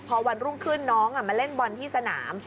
พอวันรุ่งขึ้นน้องมาเล่นบอลที่สนาม